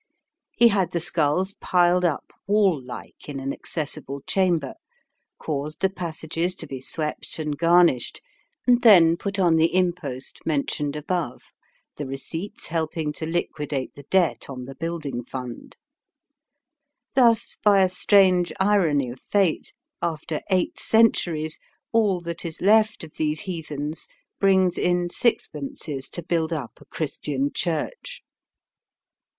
He had the skulls piled up wall like in an accessible chamber, caused the passages to be swept and garnished, and then put on the impost mentioned above, the receipts helping to liquidate the debt on the building fund. Thus, by a strange irony of fate, after eight centuries, all that is left of these heathens brings in sixpences to build up a Christian church.